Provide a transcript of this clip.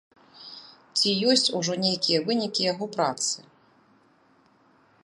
Ці ёсць ужо нейкія вынікі яго працы?